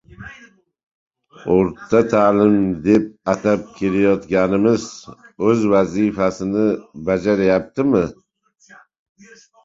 – «o‘rta ta’lim» deb atab kelayotganimiz o‘z vazifasini bajaryaptimi